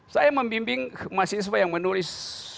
saya membimbing mahasiswa yang menulis